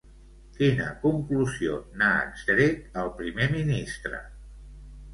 Quina conclusió n'ha extret el primer ministre?